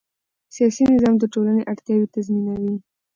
سیاسي نظام د ټولنې اړتیاوې تنظیموي